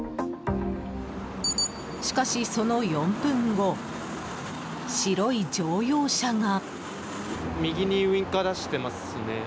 しかし、その４分後白い乗用車が。